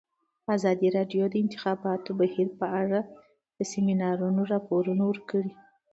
ازادي راډیو د د انتخاباتو بهیر په اړه د سیمینارونو راپورونه ورکړي.